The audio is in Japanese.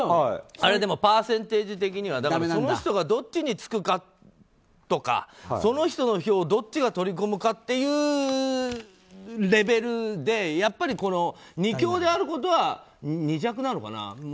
でもパーセンテージ的にはその人がどっちにつくかとかその人の票、どっちが取り込むかというレベルでやっぱり、２強であることは２弱なのかな。